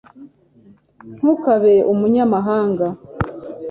ntukabe umunyamahanga